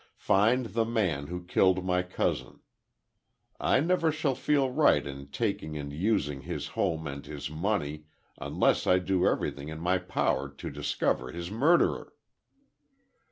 Find the man who killed my cousin. I never shall feel right in taking and using his home and his money unless I do everything in my power to discover his murderer."